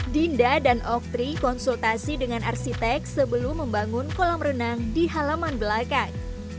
dinda dan oktri konsultasi dengan arsitek sebelum membangun kolam renang di halaman belakang